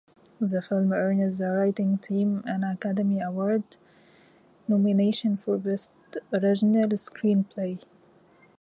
The film earned the writing team an Academy Award nomination for Best Original Screenplay.